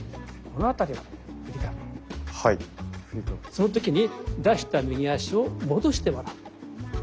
その時に出した右足を戻してもらう。